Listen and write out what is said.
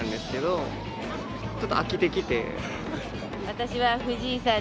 私は。